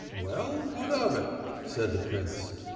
"Well, what of it?" said the prince.